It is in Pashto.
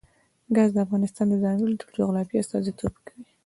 ګاز د افغانستان د ځانګړي ډول جغرافیه استازیتوب کوي.